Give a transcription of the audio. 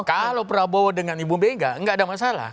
kalau prabowo dengan ibu mega tidak ada masalah